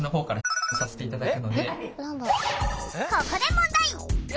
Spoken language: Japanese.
ここで問題！